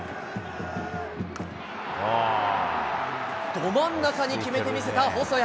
ど真ん中に決めて見せた細谷。